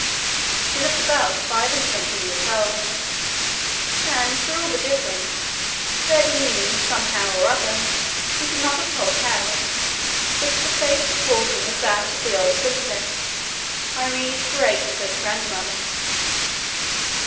She looked about five and twenty years old. And for all the difference, Curdie knew somehow or other, he could not have told how, that the face before him was that of the old princess, Irene's great great grandmother.